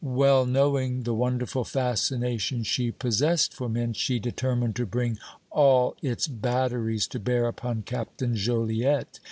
Well knowing the wonderful fascination she possessed for men, she determined to bring all its batteries to bear upon Captain Joliette.